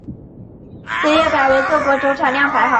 此列表为各国铀产量排行。